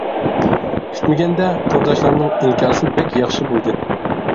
كۈتمىگەندە، تورداشلارنىڭ ئىنكاسى بەك ياخشى بولدى.